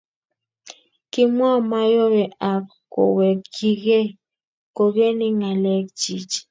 Kimwa Mayowe ak kowekyikei kokeny ng'alekchich